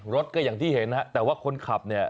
รถก็อย่างที่เห็นฮะแต่ว่าคนขับเนี่ย